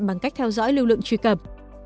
bằng cách theo dõi lưu lượng truy cập